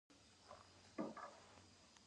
څارنه څنګه کیږي؟